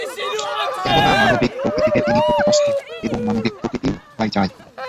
কেননা, মানবিক প্রকৃতিতে তিনি প্রকৃতস্থ এবং মানবিক প্রকৃতিও তা-ই চায়।